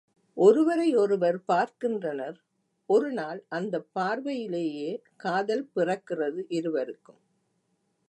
ஒருவரையொருவர் பார்க்கின்றனர் ஒருநாள், அந்தப் பார்வையிலேயே காதல் பிறக்கிறது இருவருக்கும்.